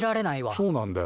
そうなんだよ。